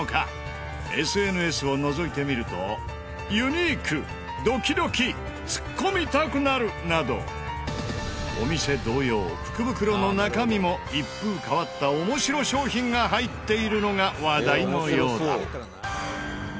ＳＮＳをのぞいてみるとユニークドキドキツッコみたくなるなどお店同様福袋の中身も一風変わったオモシロ商品が入っているのが話題のようだ。